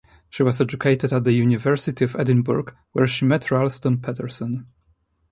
She was educated at the University of Edinburgh where she met Ralston Paterson.